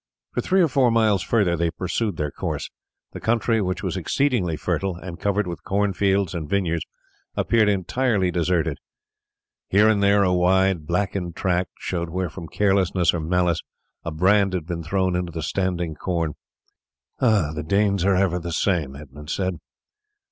For three or four miles further they pursued their course. The country, which was exceedingly fertile, and covered with corn fields and vineyards, appeared entirely deserted. Here and there a wide blackened tract showed where, from carelessness or malice, a brand had been thrown into the standing corn. "The Danes are ever the same," Edmund said.